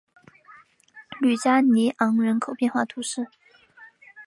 吕加尼昂人口变化图示